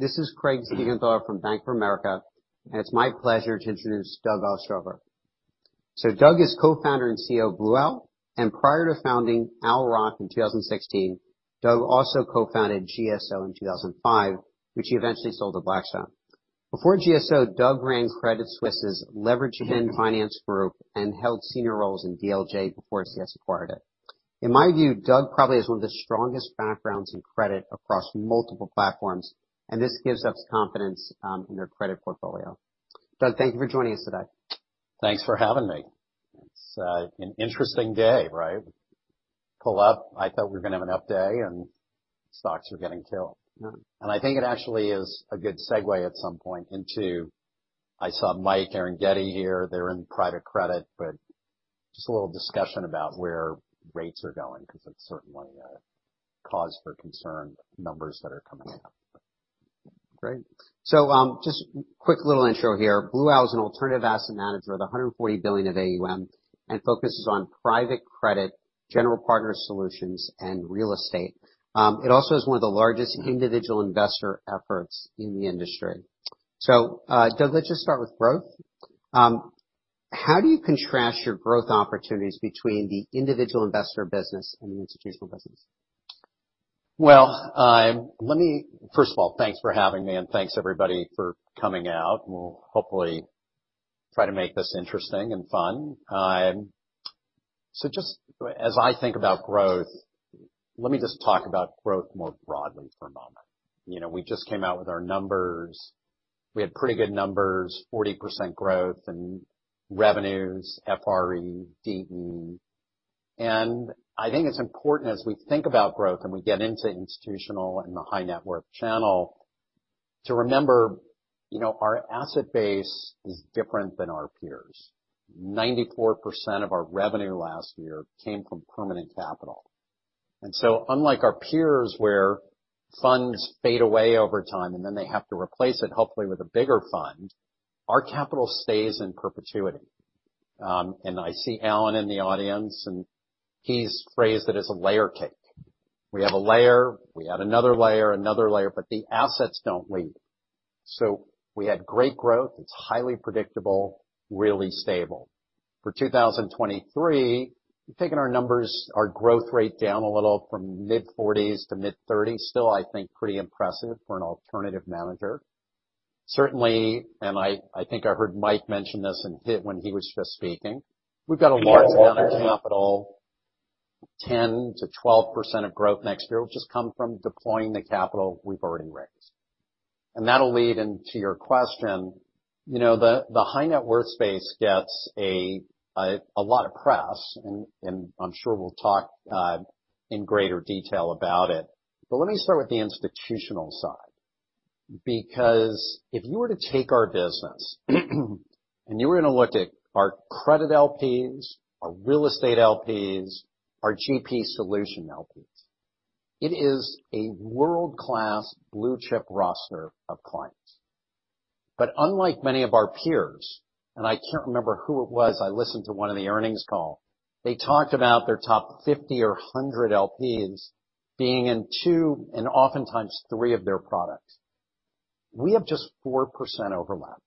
This is Craig Siegenthaler from Bank of America, and it's my pleasure to introduce Doug Ostrover. Doug is Co-Founder and CEO of Blue Owl, and prior to founding Owl Rock in 2016, Doug also co-founded GSO in 2005, which he eventually sold to Blackstone. Before GSO, Doug ran Credit Suisse's leveraged finance group and held senior roles in DLJ before CS acquired it. In my view, Doug probably has one of the strongest backgrounds in credit across multiple platforms, and this gives us confidence in their credit portfolio. Doug, thank you for joining us today. Thanks for having me. It's an interesting day, right? Pull up. I thought we were gonna have an up day. Stocks are getting killed. I think it actually is a good segue at some point into. I saw Michael Arougheti here. They're in private credit, but just a little discussion about where rates are going because it's certainly a cause for concern, numbers that are coming up. Great. Just quick little intro here. Blue Owl is an alternative asset manager of $140 billion of AUM and focuses on private credit, general partner solutions, and real estate. It also is one of the largest individual investor efforts in the industry. Doug, let's just start with growth. How do you contrast your growth opportunities between the individual investor business and the institutional business? First of all, thanks for having me and thanks everybody for coming out. We'll hopefully try to make this interesting and fun. Just as I think about growth, let me just talk about growth more broadly for a moment. You know, we just came out with our numbers. We had pretty good numbers, 40% growth in revenues, FRE, DE. I think it's important as we think about growth and we get into institutional and the high net worth channel to remember, you know, our asset base is different than our peers. 94% of our revenue last year came from permanent capital. Unlike our peers, where funds fade away over time, and then they have to replace it, hopefully with a bigger fund, our capital stays in perpetuity. I see Alan in the audience, and he's phrased it as a layer cake. We have a layer, we add another layer, another layer, the assets don't leave. We had great growth. It's highly predictable, really stable. For 2023, we've taken our numbers, our growth rate down a little from mid-40s to mid-30s. Still, I think, pretty impressive for an alternative manager. Certainly, I think I heard Mike mention this in hit when he was just speaking. We've got a large amount of capital, 10%-12% of growth next year, which has come from deploying the capital we've already raised. That'll lead into your question. You know, the high net worth space gets a lot of press, I'm sure we'll talk in greater detail about it. Let me start with the institutional side. If you were to take our business and you were gonna look at our credit LPs, our real estate LPs, our GP solution LPs, it is a world-class blue chip roster of clients. Unlike many of our peers, and I can't remember who it was, I listened to one of the earnings call, they talked about their top 50 or 100 LPs being in two and oftentimes three of their products. We have just 4% overlap.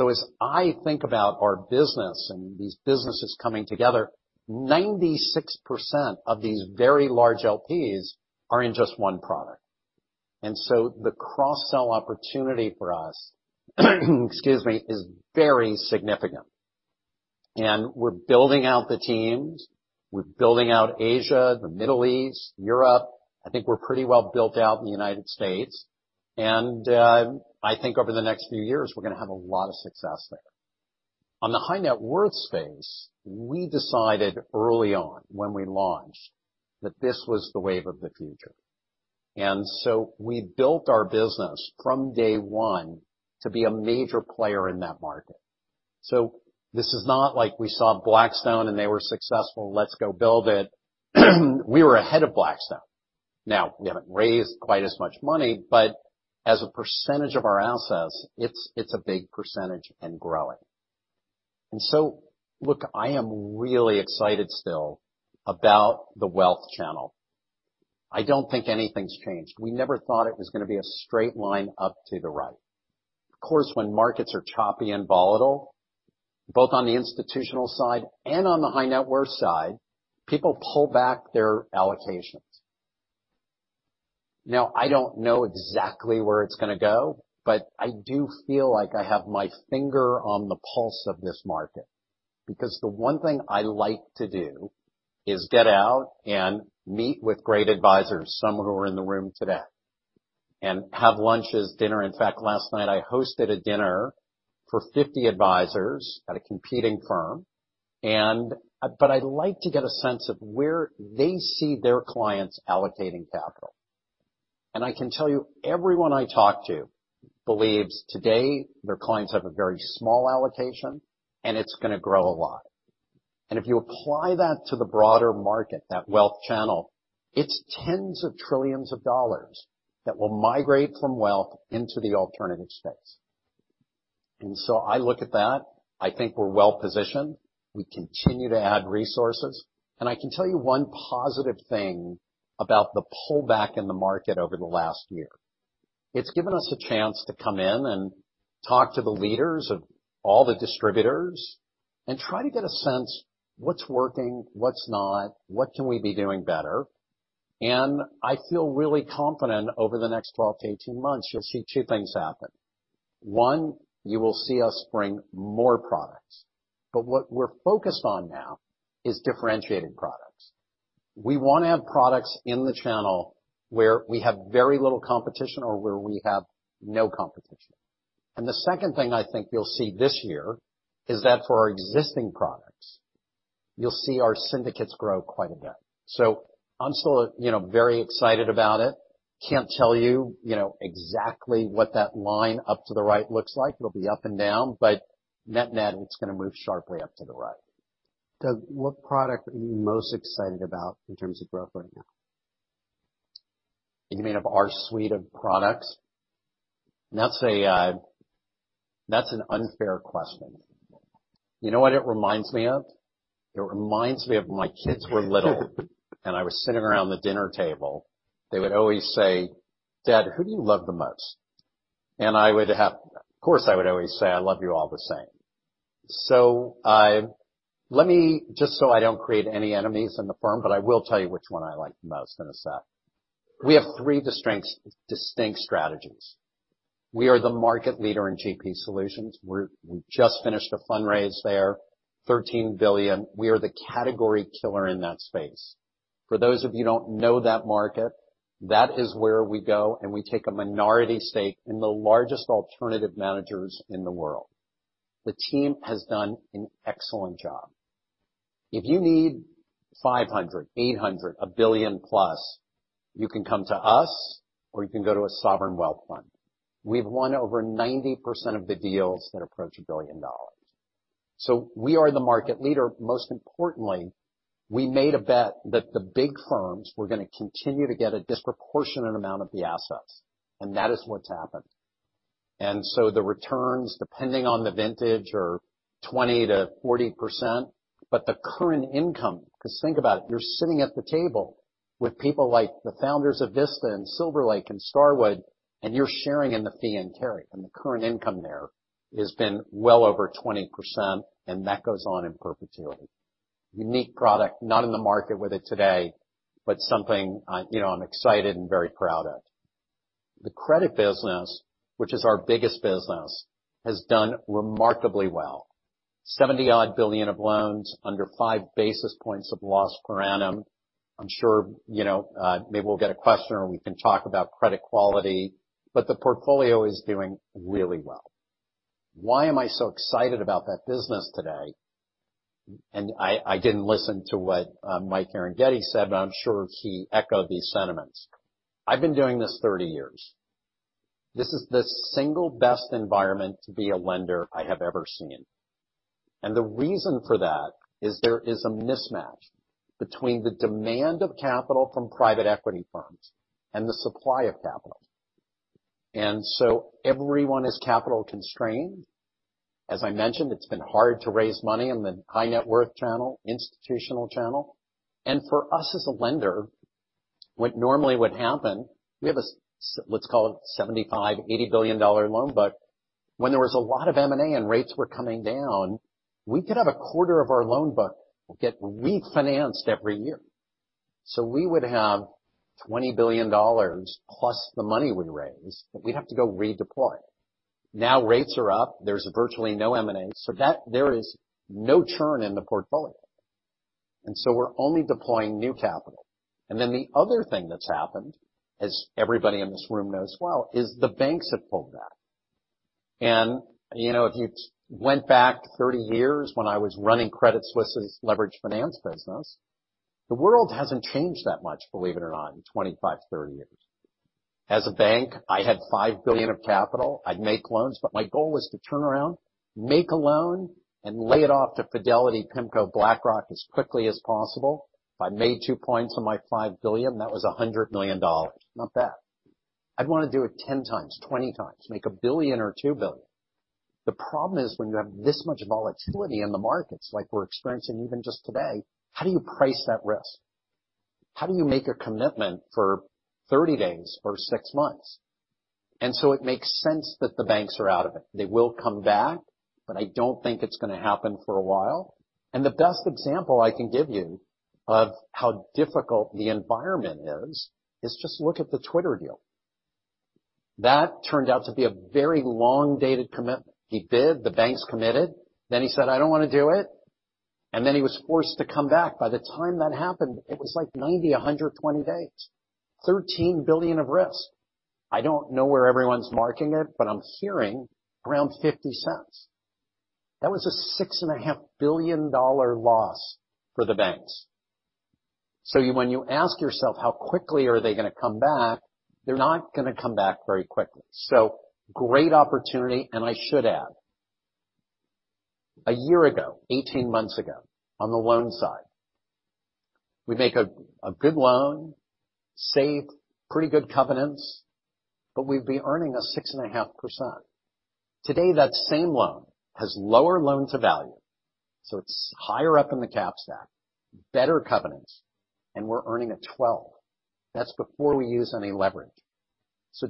As I think about our business and these businesses coming together, 96% of these very large LPs are in just one product. The cross-sell opportunity for us, excuse me, is very significant. We're building out the teams, we're building out Asia, the Middle East, Europe. I think we're pretty well built out in the United States. I think over the next few years, we're gonna have a lot of success there. On the high net worth space, we decided early on when we launched that this was the wave of the future. We built our business from day one to be a major player in that market. This is not like we saw Blackstone and they were successful, let's go build it. We were ahead of Blackstone. We haven't raised quite as much money, but as a percentage of our assets, it's a big percentage and growing. Look, I am really excited still about the wealth channel. I don't think anything's changed. We never thought it was gonna be a straight line up to the right. Of course, when markets are choppy and volatile, both on the institutional side and on the high net worth side, people pull back their allocations. I don't know exactly where it's gonna go, but I do feel like I have my finger on the pulse of this market because the one thing I like to do is get out and meet with great advisors, some of who are in the room today, and have lunches, dinner. In fact, last night I hosted a dinner for 50 advisors at a competing firm. I like to get a sense of where they see their clients allocating capital. I can tell you, everyone I talk to believes today their clients have a very small allocation and it's gonna grow a lot. If you apply that to the broader market, that wealth channel, it's tens of trillions of dollars that will migrate from wealth into the alternative space. I look at that, I think we're well-positioned. We continue to add resources. I can tell you one positive thing about the pullback in the market over the last year. It's given us a chance to come in and talk to the leaders of all the distributors and try to get a sense what's working, what's not, what can we be doing better. I feel really confident over the next 12-18 months, you'll see two things happen. One, you will see us bring more products. What we're focused on now is differentiating products. We wanna have products in the channel where we have very little competition or where we have no competition. The second thing I think you'll see this year is that for our existing products, you'll see our syndicates grow quite a bit. I'm still, you know, very excited about it. Can't tell you know, exactly what that line up to the right looks like. It'll be up and down, but net-net, it's gonna move sharply up to the right. Doug, what product are you most excited about in terms of growth right now? You mean of our suite of products? That's a, that's an unfair question. You know what it reminds me of? It reminds me of when my kids were little, and I was sitting around the dinner table. They would always say, Dad, who do you love the most? And of course, I would always say, I love you all the same. Let me just so I don't create any enemies in the firm, but I will tell you which one I like the most in a sec. We have three distinct strategies. We are the market leader in GP solutions. We just finished a fundraise there, $13 billion. We are the category killer in that space. For those of you who don't know that market, that is where we go, and we take a minority stake in the largest alternative managers in the world. The team has done an excellent job. If you need $500, $800, $1 billion plus, you can come to us or you can go to a sovereign wealth fund. We've won over 90% of the deals that approach $1 billion. We are the market leader. Most importantly, we made a bet that the big firms were gonna continue to get a disproportionate amount of the assets, and that is what's happened. The returns, depending on the vintage, are 20%-40%. The current income, 'cause think about it, you're sitting at the table with people like the founders of Vista and Silver Lake and Starwood, and you're sharing in the fee and carry, and the current income there has been well over 20%, and that goes on in perpetuity. Unique product, not in the market with it today, but something, you know, I'm excited and very proud of. The credit business, which is our biggest business, has done remarkably well. $70 odd billion of loans, under five basis points of loss per annum. I'm sure, you know, maybe we'll get a question or we can talk about credit quality, but the portfolio is doing really well. Why am I so excited about that business today? I didn't listen to what Mike Arougheti said, but I'm sure he echoed these sentiments. I've been doing this 30 years. This is the single best environment to be a lender I have ever seen. The reason for that is there is a mismatch between the demand of capital from private equity firms and the supply of capital. Everyone is capital constrained. As I mentioned, it's been hard to raise money in the high net worth channel, institutional channel. For us as a lender, what normally would happen, we have a let's call it $75 billion-$80 billion loan book. When there was a lot of M&A and rates were coming down, we could have a quarter of our loan book get refinanced every year. We would have $20 billion plus the money we raise that we'd have to go redeploy. Now rates are up. There's virtually no M&A, there is no churn in the portfolio. We're only deploying new capital. The other thing that's happened, as everybody in this room knows well, is the banks have pulled back. You know, if you went back 30 years when I was running Credit Suisse's leveraged finance business, the world hasn't changed that much, believe it or not, in 25, 30 years. As a bank, I had $5 billion of capital. I'd make loans, but my goal was to turn around, make a loan, and lay it off to Fidelity, PIMCO, BlackRock as quickly as possible. If I made two points on my $5 billion, that was $100 million. Not bad. I'd wanna do it 10x, 20x, make $1 billion or $2 billion. The problem is when you have this much volatility in the markets, like we're experiencing even just today, how do you price that risk? How do you make a commitment for 30 days or 6 months? It makes sense that the banks are out of it. They will come back, but I don't think it's gonna happen for a while. The best example I can give you of how difficult the environment is just look at the Twitter deal. That turned out to be a very long dated commitment. He bid, the banks committed, then he said, "I don't wanna do it." He was forced to come back. By the time that happened, it was like 90-120 days, $13 billion of risk. I don't know where everyone's marking it, but I'm hearing around $0.50. That was a $6.5 billion loss for the banks. When you ask yourself how quickly are they gonna come back, they're not gonna come back very quickly. Great opportunity, and I should add. A year ago, 18 months ago, on the loan side, we make a good loan, safe, pretty good covenants, but we'd be earning a 6.5%. Today, that same loan has lower loan-to-value, so it's higher up in the cap stack, better covenants, and we're earning a 12%. That's before we use any leverage.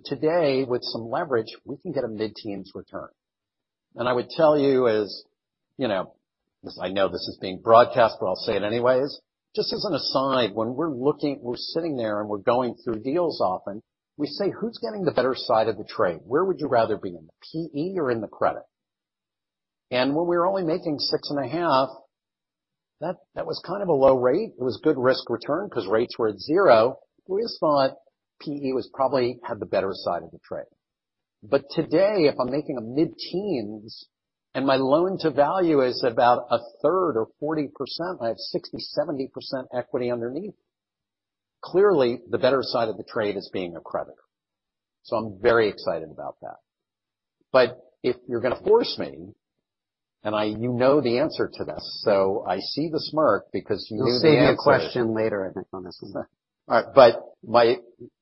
Today, with some leverage, we can get a mid-teens return. I would tell you, as, you know, as I know this is being broadcast, but I'll say it anyways, just as an aside, when we're sitting there and we're going through deals often, we say, Who's getting the better side of the trade? Where would you rather be, in the PE or in the credit? When we were only making 6.5, that was kind of a low rate. It was good risk return because rates were at zero. We just thought PE was probably had the better side of the trade. Today, if I'm making a mid-teens and my loan-to-value is about 1/3 or 40%, I have 60%, 70% equity underneath. Clearly, the better side of the trade is being a creditor. I'm very excited about that. If you're gonna force me, you know the answer to this, so I see the smirk because you know the answer. We'll save me a question later, I think, on this one. All right.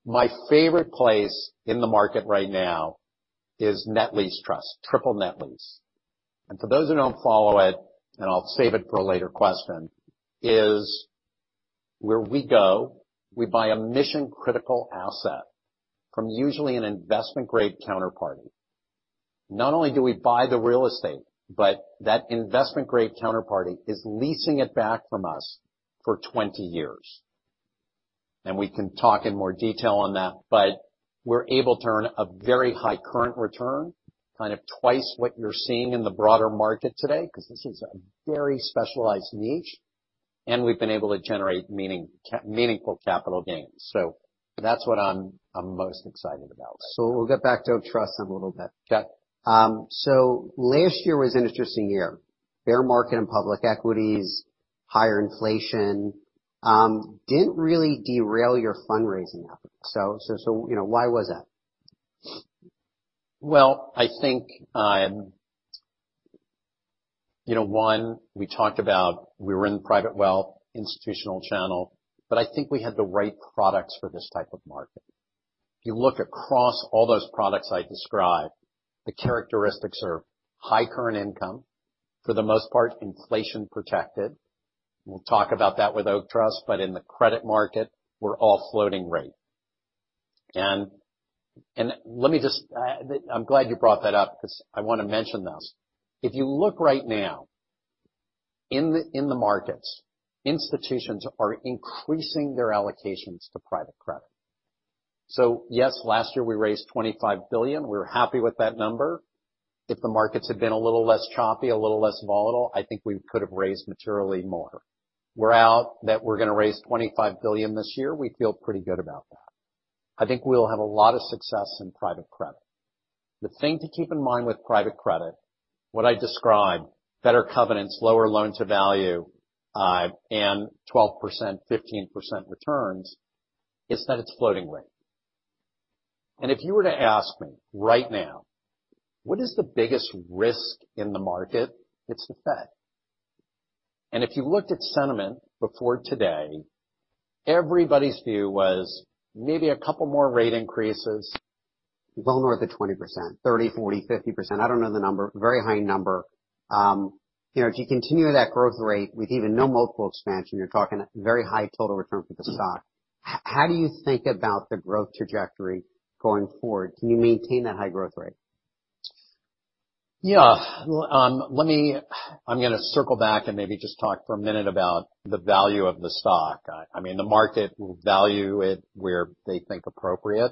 My favorite place in the market right now is net lease trust, triple net lease. For those who don't follow it, and I'll save it for a later question, is where we go, we buy a mission-critical asset from usually an investment-grade counterparty. Not only do we buy the real estate, but that investment-grade counterparty is leasing it back from us for 20 years. We can talk in more detail on that, but we're able to earn a very high current return, kind of twice what you're seeing in the broader market today, because this is a very specialized niche, and we've been able to generate meaningful capital gains. That's what I'm most excited about right now. We'll get back to Oak Street in a little bit. Sure. Last year was an interesting year. Bear market and public equities, higher inflation, didn't really derail your fundraising effort. You know, why was that? Well, I think, you know, one, we talked about we were in private wealth, institutional channel, but I think we had the right products for this type of market. If you look across all those products I described, the characteristics are high current income, for the most part, inflation protected. We'll talk about that with Oak Street, but in the credit market, we're all floating rate. Let me just. I'm glad you brought that up because I wanna mention this. If you look right now in the, in the markets, institutions are increasing their allocations to private credit. Yes, last year, we raised $25 billion. We're happy with that number. If the markets had been a little less choppy, a little less volatile, I think we could have raised materially more. We're out that we're gonna raise $25 billion this year. We feel pretty good about that. I think we'll have a lot of success in private credit. The thing to keep in mind with private credit, what I describe, better covenants, lower loan-to-value, and 12%-15% returns, is that it's floating rate. If you were to ask me right now, what is the biggest risk in the market? It's The Fed. If you looked at sentiment before today, everybody's view was maybe a couple more rate increases. Well north of 20%, 30%, 40%, 50%. I don't know the number. Very high number. you know, if you continue that growth rate with even no multiple expansion, you're talking very high total return for the stock. How do you think about the growth trajectory going forward? Can you maintain that high growth rate? Yeah. Let me, I'm gonna circle back and maybe just talk for a minute about the value of the stock. I mean, the market will value it where they think appropriate,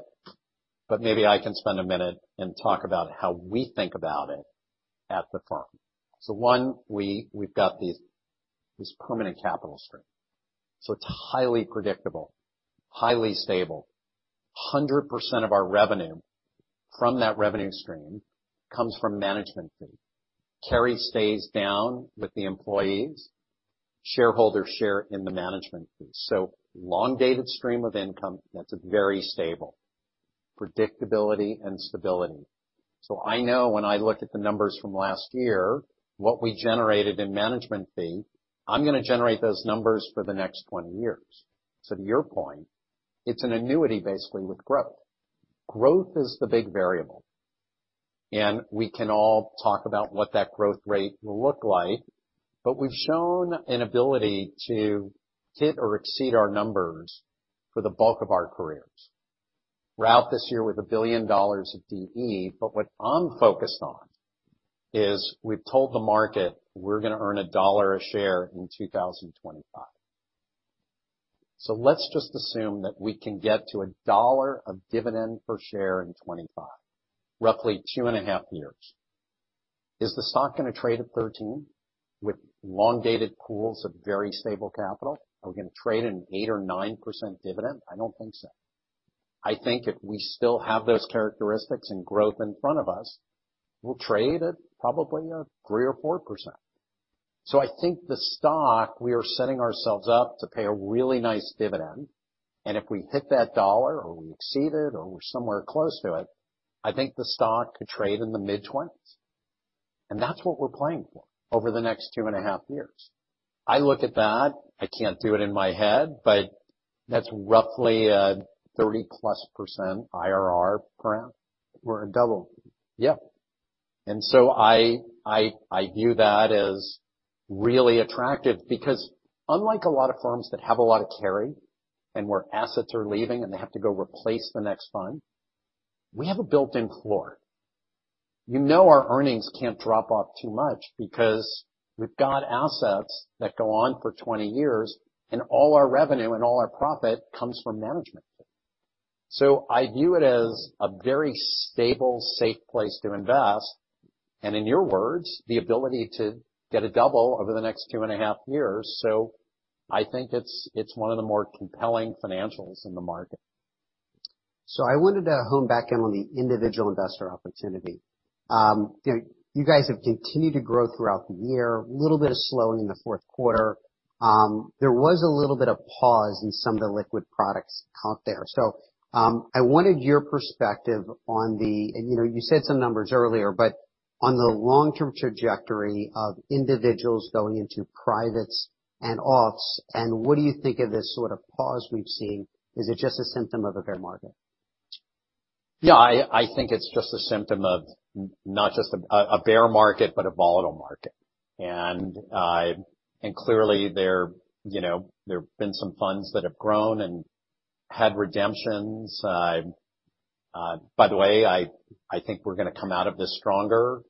but maybe I can spend a minute and talk about how we think about it at the firm. One, we've got this permanent capital stream. It's highly predictable, highly stable. 100% of our revenue from that revenue stream comes from management fee. Carry stays down with the employees, shareholders share in the management fee. Long dated stream of income that's very stable. Predictability and stability. I know when I look at the numbers from last year, what we generated in management fee, I'm gonna generate those numbers for the next 20 years. To your point, it's an annuity basically with growth. Growth is the big variable, we can all talk about what that growth rate will look like, we've shown an ability to hit or exceed our numbers for the bulk of our careers. We're out this year with $1 billion of DE, what I'm focused on is we've told the market we're gonna earn $1 a share in 2025. Let's just assume that we can get to $1 of dividend per share in 2025, roughly 2.5 years. Is the stock gonna trade at 13 with long-dated pools of very stable capital? Are we gonna trade an 8% or 9% dividend? I don't think so. I think if we still have those characteristics and growth in front of us, we'll trade at probably a 3% or 4%. I think the stock, we are setting ourselves up to pay a really nice dividend. If we hit that $1 or we exceed it or we're somewhere close to it, I think the stock could trade in the mid-20s. That's what we're playing for over the next 2.5 years. I look at that, I can't do it in my head, but that's roughly a +30% IRR per annum. A double. Yeah. I view that as really attractive because unlike a lot of firms that have a lot of carry and where assets are leaving and they have to go replace the next fund, we have a built-in floor. You know our earnings can't drop off too much because we've got assets that go on for 20 years and all our revenue and all our profit comes from management. I view it as a very stable, safe place to invest, and in your words, the ability to get a double over the next 2.5 years. I think it's one of the more compelling financials in the market. I wanted to hone back in on the individual investor opportunity. You know, you guys have continued to grow throughout the year, a little bit of slowing in the fourth quarter. There was a little bit of pause in some of the liquid products out there. I wanted your perspective on the, you know, you said some numbers earlier, but on the long-term trajectory of individuals going into privates and offs, and what do you think of this sort of pause we've seen? Is it just a symptom of a bear market? Yeah, I think it's just a symptom of not just a bear market, but a volatile market. Clearly there, you know, there have been some funds that have grown and had redemptions. By the way, I think we're gonna come out of this stronger.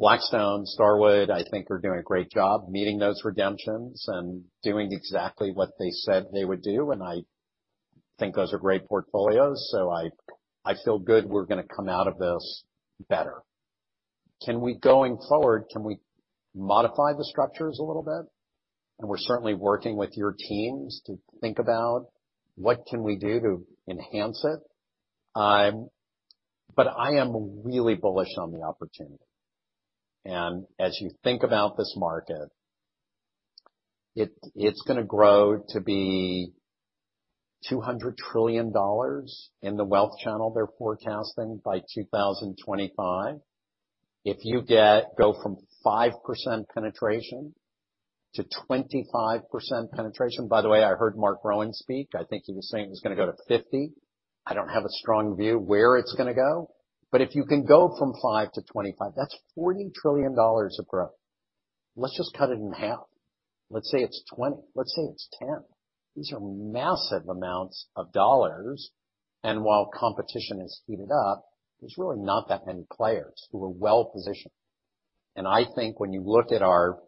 Blackstone, Starwood, I think are doing a great job meeting those redemptions and doing exactly what they said they would do. I think those are great portfolios. I feel good we're gonna come out of this better. Going forward, can we modify the structures a little bit? We're certainly working with your teams to think about what can we do to enhance it. I am really bullish on the opportunity. As you think about this market, it's gonna grow to be $200 trillion in the wealth channel they're forecasting by 2025. If you go from 5% penetration to 25% penetration. By the way, I heard Marc Rowan speak. I think he was saying it was gonna go to 50. I don't have a strong view where it's gonna go. If you can go from 5-25, that's $40 trillion of growth. Let's just cut it in half. Let's say it's 20, let's say it's 10. These are massive amounts of dollars. While competition has heated up, there's really not that many players who are well-positioned. I think when you look at our,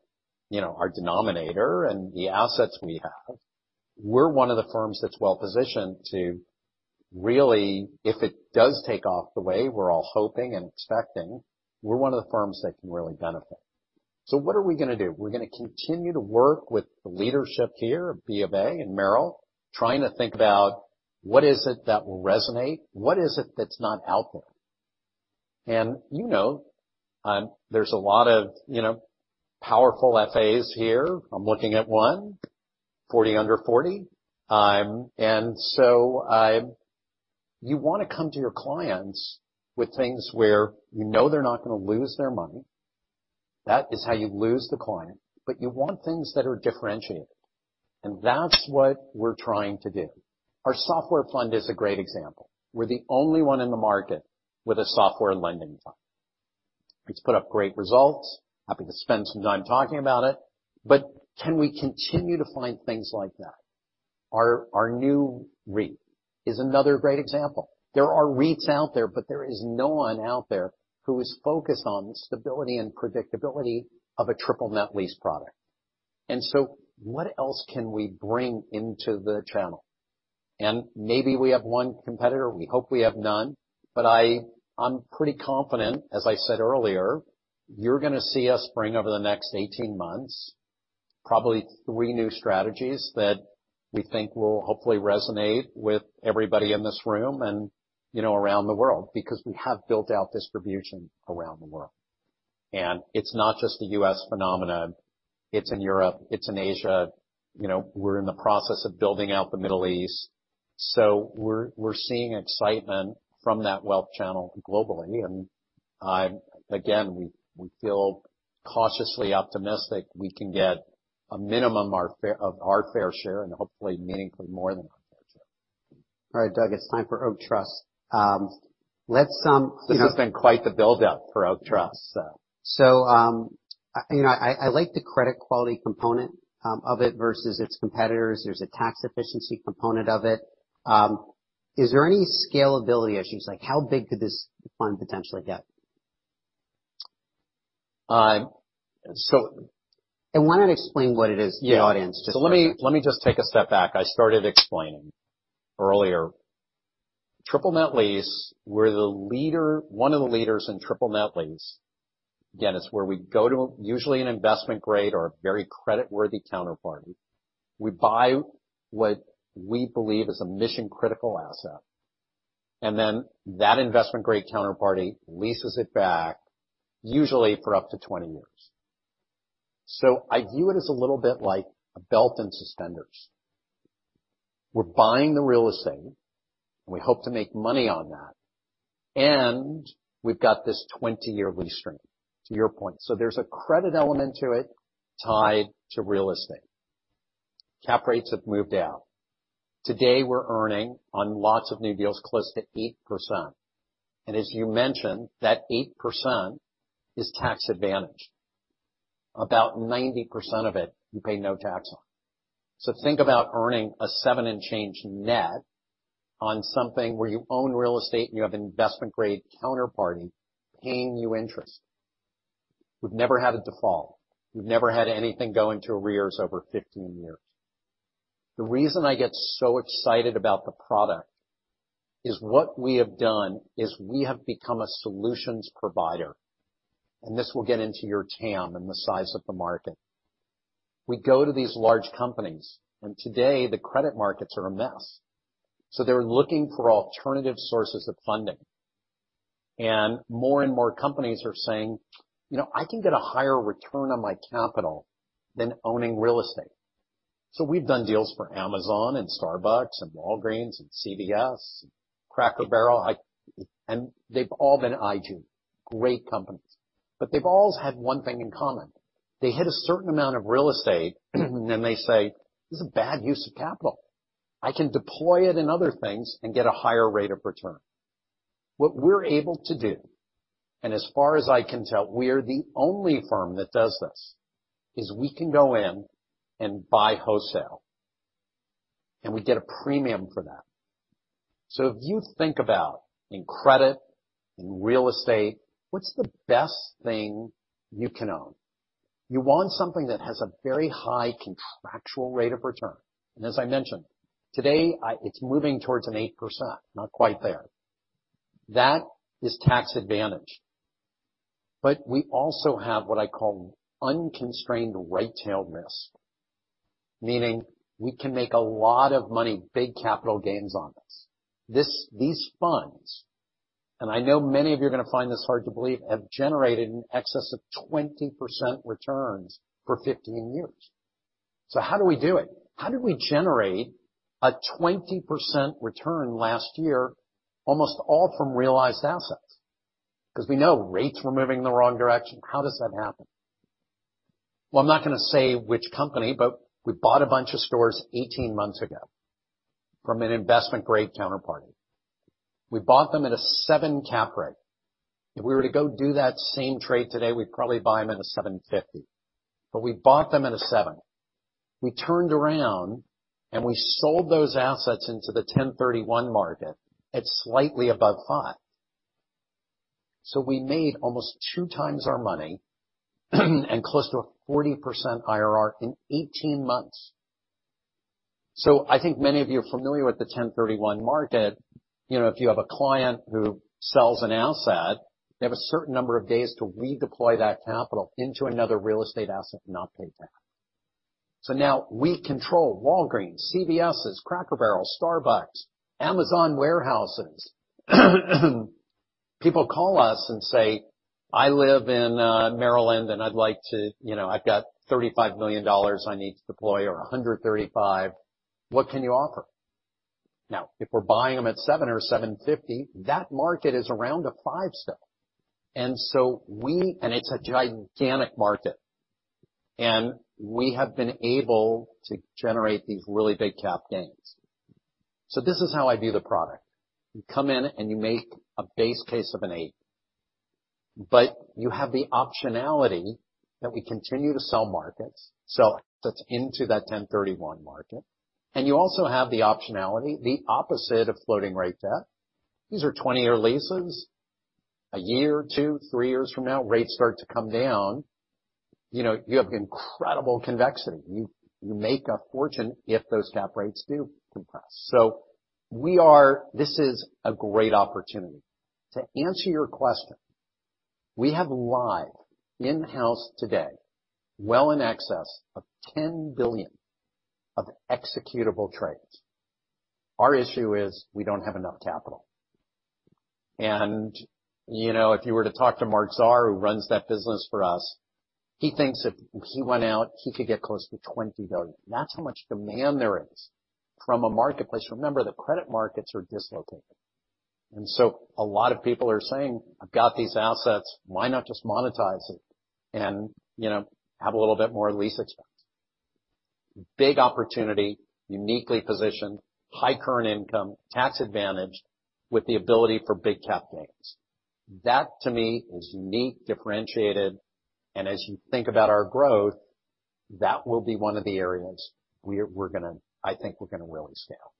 you know, our denominator and the assets we have, we're one of the firms that's well-positioned to really, if it does take off the way we're all hoping and expecting, we're one of the firms that can really benefit. What are we gonna do? We're gonna continue to work with the leadership here at Bank of America and Merrill, trying to think about what is it that will resonate, what is it that's not out there. You know, there's a lot of, you know, powerful FAs here. I'm looking at one, Forty Under 40. You wanna come to your clients with things where you know they're not gonna lose their money. That is how you lose the client. You want things that are differentiated, and that's what we're trying to do. Our software fund is a great example. We're the only one in the market with a software lending fund. It's put up great results. Happy to spend some time talking about it, but can we continue to find things like that? Our new REIT is another great example. There are REITs out there, but there is no one out there who is focused on stability and predictability of a triple net lease product. What else can we bring into the channel? Maybe we have one competitor, we hope we have none. I'm pretty confident, as I said earlier, you're gonna see us bring over the next 18 months, probably three new strategies that we think will hopefully resonate with everybody in this room and, you know, around the world, because we have built out distribution around the world. It's not just a U.S. phenomenon. It's in Europe, it's in Asia. You know, we're in the process of building out the Middle East. We're seeing excitement from that wealth channel globally. Again, we feel cautiously optimistic we can get a minimum of our fair share and hopefully meaningfully more than our fair share. All right, Doug, it's time for Oak Stree. Let's, you know. This has been quite the build-up for Oak Street, so. you know, I like the credit quality component of it versus its competitors. There's a tax efficiency component of it. Is there any scalability issues, like how big could this fund potentially get? Why not explain what it is to the audience just for a second. Let me just take a step back. I started explaining earlier. Triple net lease, we're the leader, one of the leaders in triple net lease. It's where we go to usually an investment grade or a very credit-worthy counterparty. We buy what we believe is a mission-critical asset. And that investment grade counterparty leases it back usually for up to 20 years. I view it as a little bit like a belt and suspenders. We're buying the real estate, and we hope to make money on that, and we've got this 20-year lease stream, to your point. There's a credit element to it tied to real estate. Cap rates have moved out. Today, we're earning on lots of new deals, close to 8%. As you mentioned, that 8% is tax advantaged. About 90% of it you pay no tax on. Think about earning a seven and change net on something where you own real estate, and you have an investment grade counterparty paying you interest. We've never had a default. We've never had anything go into arrears over 15 years. The reason I get so excited about the product is what we have done is we have become a solutions provider, and this will get into your TAM and the size of the market. We go to these large companies, and today the credit markets are a mess. They're looking for alternative sources of funding. More and more companies are saying, You know, I can get a higher return on my capital than owning real estate. We've done deals for Amazon and Starbucks and Walgreens and CVS, Cracker Barrel. They've all been IG, great companies. They've always had one thing in common. They hit a certain amount of real estate, and they say, This is a bad use of capital. I can deploy it in other things and get a higher rate of return. What we're able to do, and as far as I can tell, we are the only firm that does this, is we can go in and buy wholesale, and we get a premium for that. If you think about in credit, in real estate, what's the best thing you can own? You want something that has a very high contractual rate of return. As I mentioned, today, it's moving towards an 8%, not quite there. That is tax advantaged. We also have what I call unconstrained right-tailed risk, meaning we can make a lot of money, big capital gains on this. These funds, and I know many of you are gonna find this hard to believe, have generated in excess of 20% returns for 15 years. How do we do it? How did we generate a 20% return last year, almost all from realized assets? We know rates were moving in the wrong direction. How does that happen? Well, I'm not gonna say which company, but we bought a bunch of stores 18 months ago from an investment grade counterparty. We bought them at a seven cap rate. If we were to go do that same trade today, we'd probably buy them at a 7.50. We bought them at a seven. We turned around, and we sold those assets into the 1031 market at slightly above five. We made almost 2x our money and close to a 40% IRR in 18 months. You know, if you have a client who sells an asset, they have a certain number of days to redeploy that capital into another real estate asset and not pay tax. Now we control Walgreens, CVSes, Cracker Barrel, Starbucks, Amazon warehouses. People call us and say, I live in Maryland, and I'd like to, you know, I've got $35 million I need to deploy or $135 million. What can you offer? If we're buying them at 7 or 7.50, that market is around a five still. It's a gigantic market, and we have been able to generate these really big cap gains. This is how I view the product. You come in, and you make a base case of an eight. You have the optionality that we continue to sell markets, sell assets into that 1031 market, and you also have the optionality, the opposite of floating rate debt. These are 20-year leases. A year or two, three years from now, rates start to come down. You know, you have incredible convexity. You make a fortune if those cap rates do compress. We are. This is a great opportunity. To answer your question, we have live in-house today well in excess of $10 billion of executable trades. Our issue is we don't have enough capital. You know, if you were to talk to Marc Zahr, who runs that business for us, he thinks if he went out, he could get close to $20 billion. That's how much demand there is from a marketplace. Remember, the credit markets are dislocated. A lot of people are saying, I've got these assets. Why not just monetize it and, you know, have a little bit more lease expense? Big opportunity, uniquely positioned, high current income, tax advantaged with the ability for big cap gains. That to me is unique, differentiated, and as you think about our growth, that will be one of the areas I think we're gonna really scale.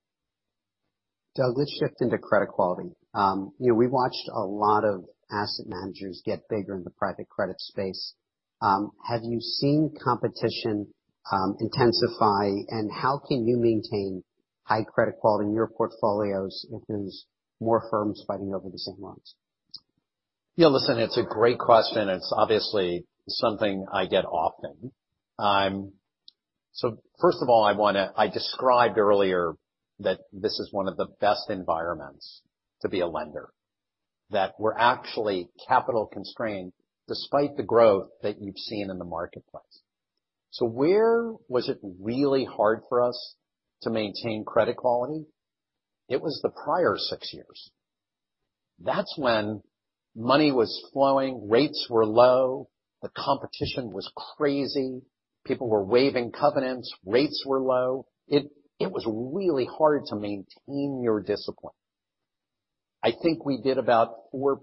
Doug, let's shift into credit quality. You know, we watched a lot of asset managers get bigger in the private credit space. Have you seen competition intensify, and how can you maintain high credit quality in your portfolios if there's more firms fighting over the same loans? Yeah, listen, it's a great question. It's obviously something I get often. First of all, I described earlier that this is one of the best environments to be a lender, that we're actually capital constrained despite the growth that you've seen in the marketplace. Where was it really hard for us to maintain credit quality? It was the prior six years. That's when money was flowing, rates were low, the competition was crazy, people were waiving covenants, rates were low. It was really hard to maintain your discipline. I think we did about 4%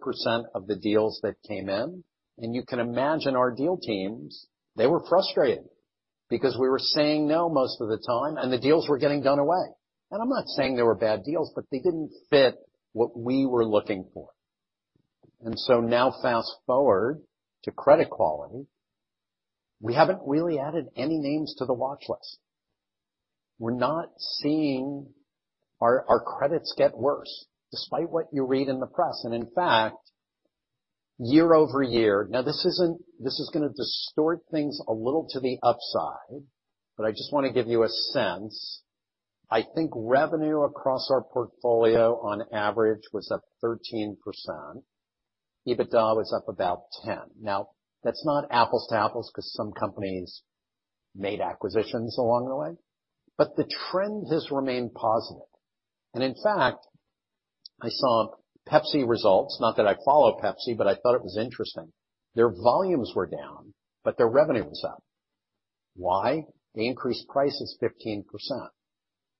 of the deals that came in, and you can imagine our deal teams, they were frustrated because we were saying no most of the time, and the deals were getting done away. I'm not saying they were bad deals, but they didn't fit what we were looking for. Now fast-forward to credit quality, we haven't really added any names to the watch list. We're not seeing our credits get worse despite what you read in the press. In fact, year-over-year. Now, this is gonna distort things a little to the upside, but I just wanna give you a sense. I think revenue across our portfolio on average was up 13%. EBITDA was up about 10%. Now, that's not apples to apples 'cause some companies made acquisitions along the way, but the trend has remained positive. In fact, I saw Pepsi results. Not that I follow Pepsi, but I thought it was interesting. Their volumes were down, but their revenue was up. Why? They increased prices 15%.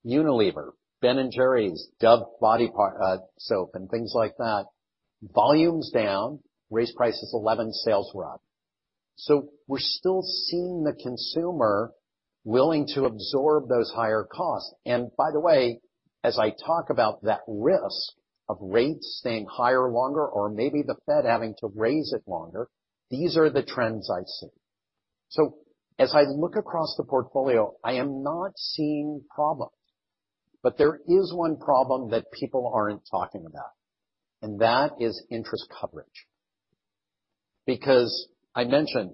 Unilever, Ben & Jerry's, Dove Body part, Soap, and things like that, volumes down, raised prices 11%, sales were up. We're still seeing the consumer willing to absorb those higher costs. By the way, as I talk about that risk of rates staying higher longer or maybe The Fed having to raise it longer, these are the trends I see. As I look across the portfolio, I am not seeing problems, but there is one problem that people aren't talking about, and that is interest coverage. I mentioned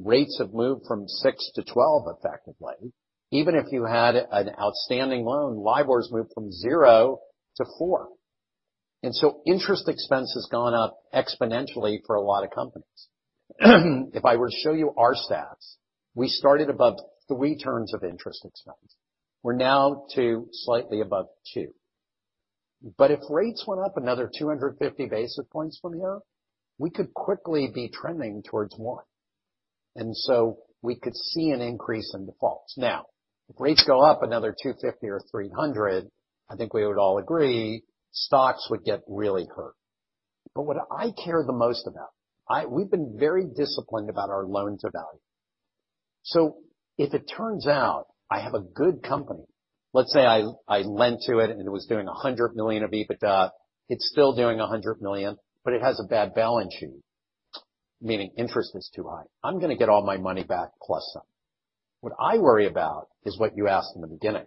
rates have moved from 6-12 effectively, even if you had an outstanding loan, LIBOR's moved from zero to four, and so interest expense has gone up exponentially for a lot of companies. If I were to show you our stats, we started above three turns of interest expense. We're now to slightly above two. If rates went up another 250 basis points from here, we could quickly be trending towards one. We could see an increase in defaults. If rates go up another 250 or 300, I think we would all agree, stocks would get really hurt. What I care the most about, we've been very disciplined about our loans-to-value. If it turns out I have a good company, let's say I lent to it and it was doing $100 million of EBITDA, it's still doing $100 million, but it has a bad balance sheet, meaning interest is too high, I'm gonna get all my money back plus some. What I worry about is what you asked in the beginning,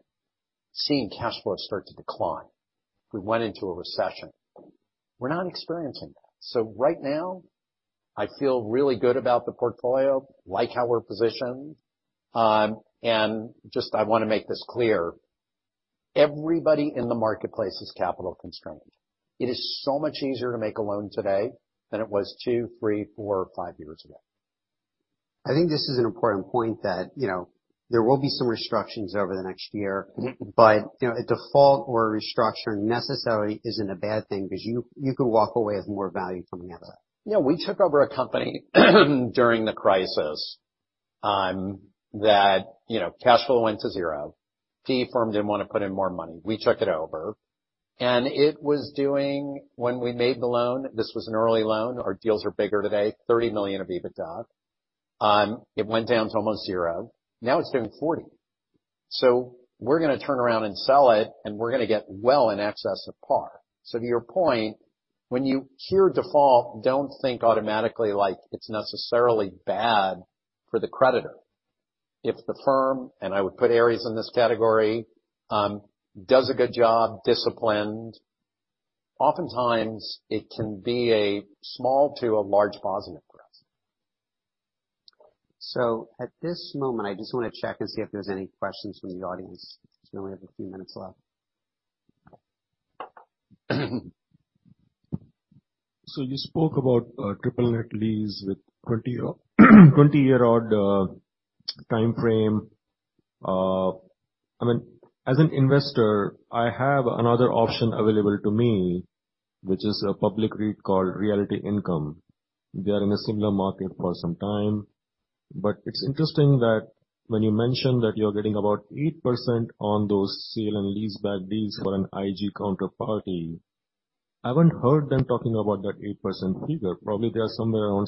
seeing cash flow start to decline. We went into a recession. We're not experiencing that. Right now, I feel really good about the portfolio, like how we're positioned. Just I wanna make this clear, everybody in the marketplace is capital constrained. It is so much easier to make a loan today than it was 2, 3, 4, 5 years ago. I think this is an important point that, you know, there will be some restructurings over the next year. You know, a default or a restructuring necessarily isn't a bad thing because you could walk away with more value coming out of that. Yeah. We took over a company during the crisis, that, you know, cash flow went to zero. Key firm didn't wanna put in more money. We took it over. When we made the loan, this was an early loan. Our deals are bigger today, $30 million of EBITDA. It went down to almost zero. Now it's doing $40 million. We're gonna turn around and sell it, and we're gonna get well in excess of par. To your point, when you hear default, don't think automatically like it's necessarily bad for the creditor. If the firm, and I would put Ares in this category, does a good job, disciplined, oftentimes it can be a small to a large positive for us. At this moment, I just wanna check and see if there's any questions from the audience since we only have a few minutes left. You spoke about triple net lease with 20-year odd timeframe. I mean, as an investor, I have another option available to me, which is a public REIT called Realty Income. They are in a similar market for some time. It's interesting that when you mention that you're getting about 8% on those sale and leaseback deals for an IG counterparty, I haven't heard them talking about that 8% figure. Probably, they are somewhere around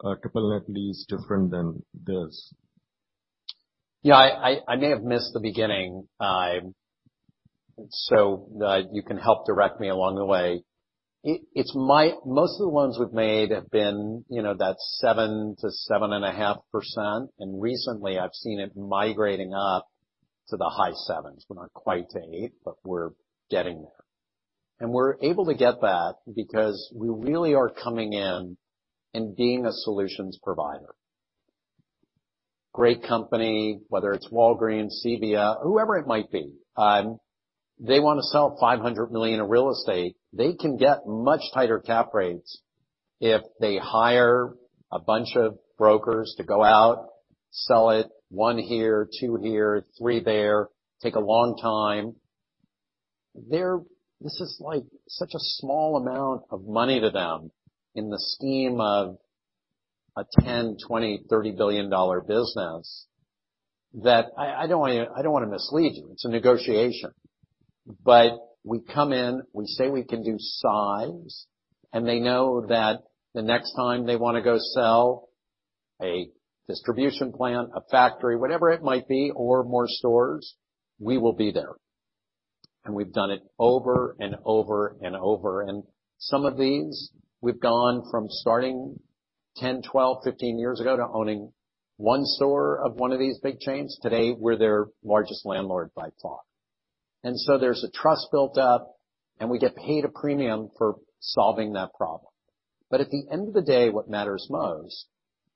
6 percentage points. How is your triple net lease different than this? Yeah, I may have missed the beginning. You can help direct me along the way. Most of the ones we've made have been, you know, that 7% to 7.5%. Recently I've seen it migrating up to the high 7s. We're not quite to eight, but we're getting there. We're able to get that because we really are coming in and being a solutions provider. Great company, whether it's Walgreens, CVS, whoever it might be, they wanna sell $500 million in real estate, they can get much tighter cap rates if they hire a bunch of brokers to go out, sell it, one here, two here, three there, take a long time. This is, like, such a small amount of money to them in the scheme of a $10 billion, $20 billion, $30 billion business that I don't wanna mislead you, it's a negotiation. We come in, we say we can do size, and they know that the next time they wanna go sell a distribution plant, a factory, whatever it might be, or more stores, we will be there. We've done it over and over and over, and some of these we've gone from starting 10, 12, 15 years ago to owning one store of one of these big chains. Today, we're their largest landlord by far. There's a trust built up, and we get paid a premium for solving that problem. At the end of the day, what matters most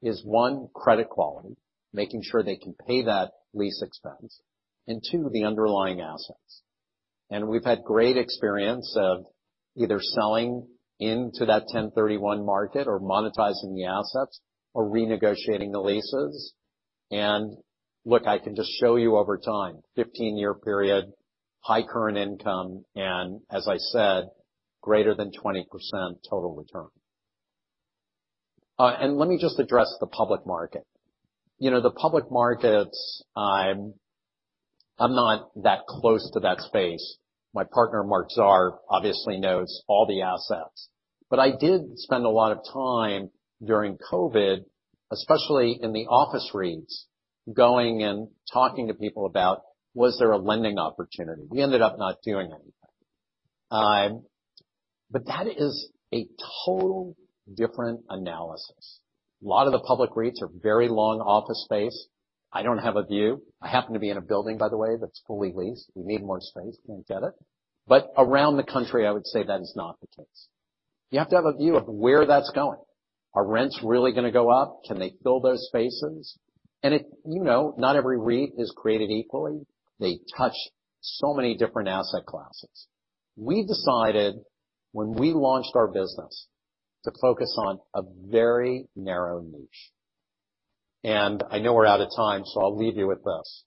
is, one, credit quality, making sure they can pay that lease expense. Two, the underlying assets. We've had great experience of either selling into that 1031 market or monetizing the assets or renegotiating the leases. Look, I can just show you over time, 15-year period, high current income, and as I said, greater than 20% total return. Let me just address the public market. You know, the public markets, I'm not that close to that space. My partner, Marc Zahr, obviously knows all the assets. I did spend a lot of time during COVID, especially in the office REITs, going and talking to people about was there a lending opportunity. We ended up not doing anything. That is a total different analysis. A lot of the public REITs are very long office space. I don't have a view. I happen to be in a building, by the way, that's fully leased. We need more space, can't get it. Around the country, I would say that is not the case. You have to have a view of where that's going. Are rents really gonna go up? Can they fill those spaces? You know, not every REIT is created equally. They touch so many different asset classes. We decided when we launched our business to focus on a very narrow niche. I know we're out of time, so I'll leave you with this.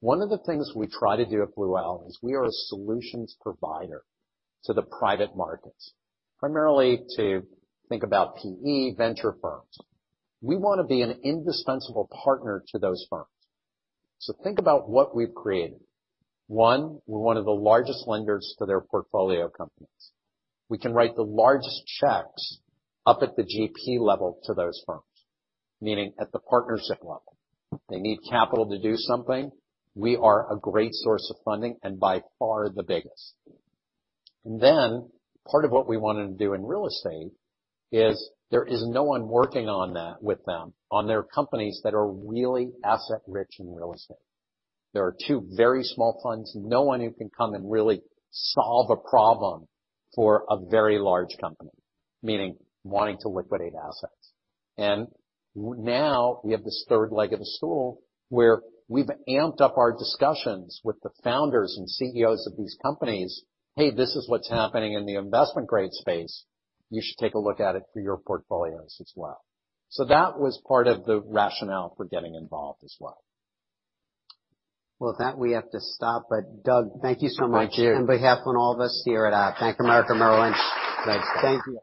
One of the things we try to do at Blue Owl is we are a solutions provider to the private markets, primarily to think about PE, venture firms. We wanna be an indispensable partner to those firms. Think about what we've created. One, we're one of the largest lenders to their portfolio companies. We can write the largest checks up at the GP level to those firms, meaning at the partnership level. They need capital to do something, we are a great source of funding, and by far the biggest. Then part of what we wanna do in real estate is there is no one working on that with them, on their companies that are really asset rich in real estate. There are two very small funds, no one who can come and really solve a problem for a very large company, meaning wanting to liquidate assets. Now we have this third leg of the stool, where we've amped up our discussions with the founders and CEOs of these companies, Hey, this is what's happening in the investment grade space. You should take a look at it for your portfolios as well. That was part of the rationale for getting involved as well. Well, with that we have to stop. Doug, thank you so much. Thank you. On behalf of all of us here at, Bank of America Merrill Lynch. Thank you.